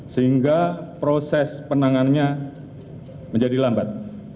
sehingga proses penanganannya menjadi lambat